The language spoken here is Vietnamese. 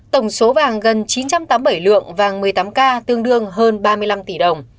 tổng số vàng gần chín trăm tám mươi bảy lượng vàng một mươi tám k tương đương hơn ba mươi năm tỷ đồng